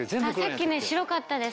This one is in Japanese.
さっきね白かったです。